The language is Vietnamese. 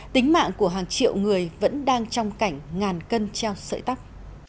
tính mạng của hàng triệu người vẫn đang trong cảnh ngàn cân treo sợi tóc